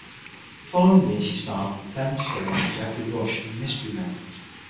The following year she starred with Ben Stiller and Geoffrey Rush in "Mystery Men".